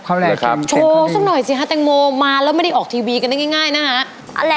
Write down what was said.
โชว์สุดหน่อยสิฮะแตงโมมาแล้วไม่ได้ออกทีวีกันได้ง่ายนะฮะ